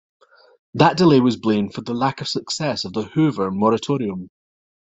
That delay was blamed for the lack of success of the Hoover Moratorium.